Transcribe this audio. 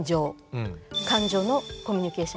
感情のコミュニケーション。